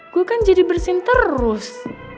gue kan jadi bersin terus